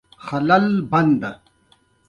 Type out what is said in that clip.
هغه د عیسی علیه السلام بېرته ځمکې ته راتګ دی.